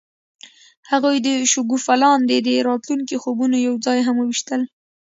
هغوی د شګوفه لاندې د راتلونکي خوبونه یوځای هم وویشل.